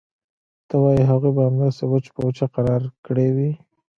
ته وايې هغوى به همداسې وچ په وچه اقرار کړى وي.